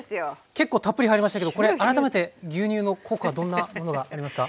結構たっぷり入りましたけどこれ改めて牛乳の効果どんなものがありますか？